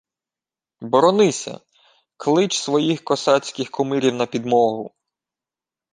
— Боронися! Клич своїх косацьких кумирів на підмогу!